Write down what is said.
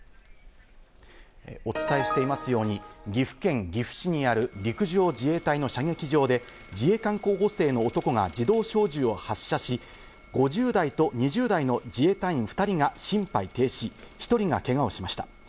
お伝えしていますように、岐阜県岐阜市にある陸上自衛隊の射撃場で、自衛官候補生の男が自動小銃を発射し、５０代と２０代の自衛隊員２人が心肺停止、１人がけがをしました。